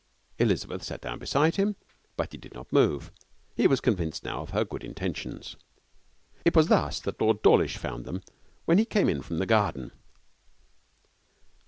Elizabeth sat down beside him, but he did not move. He was convinced now of her good intentions. It was thus that Lord Dawlish found them when he came in from the garden.